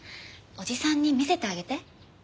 おじさんに見せてあげて。